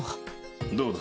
どうだ？